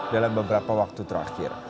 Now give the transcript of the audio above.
dalam beberapa waktu terakhir